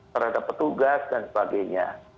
terhadap petugas dan sebagainya